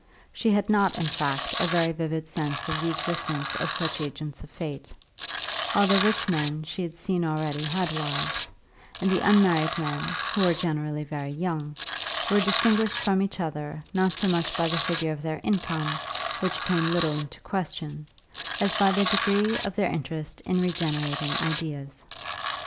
She had not, in fact, a very vivid sense of the existence of such agents of fate; all the rich men she had seen already had wives, and the unmarried men, who were generally very young, were distinguished from each other not so much by the figure of their income, which came little into question, as by the degree of their interest in regenerating ideas.